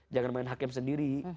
jangan main hakim sendiri